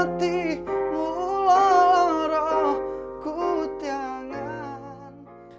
rasa neati mulalah roh kutianat